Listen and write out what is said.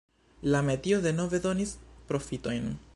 La metio denove donis profitojn.